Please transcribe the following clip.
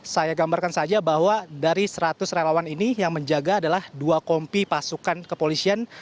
saya gambarkan saja bahwa dari seratus relawan ini yang menjaga adalah dua kompi pasukan kepolisian